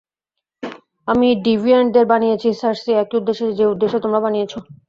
আমি ডিভিয়েন্টদের বানিয়েছি, সার্সি, একই উদ্দেশ্য যে উদ্দেশ্যে তোমাদের বানিয়েছি।